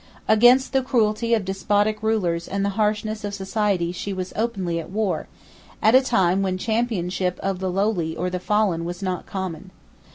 Against the cruelty of despotic rulers and the harshness of society she was openly at war, at a time when championship of the lowly or the fallen was not common.